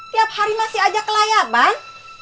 tiap hari masih ajak ke layaban